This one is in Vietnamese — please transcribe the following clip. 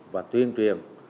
và tuyên truyền